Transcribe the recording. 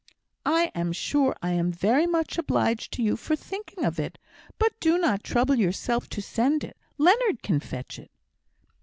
"I am sure I am very much obliged to you for thinking of it. But do not trouble yourself to send it; Leonard can fetch it."